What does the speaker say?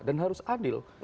dan harus ada